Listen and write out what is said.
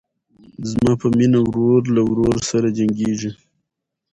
زما په مینه ورور له ورور سره جنګیږي